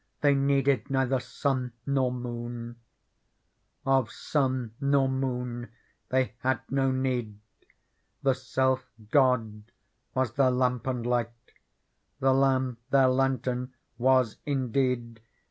They needed neither sun nor moon. Digitized by Google PEARL 45 Of sun nor moon they had no need. The self God was their lamp and light ; The Lamb their lantern was in deed.